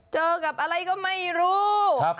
เจอกับอะไรก็ไม่รู้